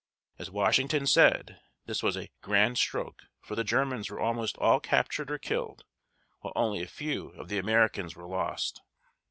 As Washington said, this was a "grand stroke," for the Germans were almost all captured or killed, while only a few of the Americans were lost.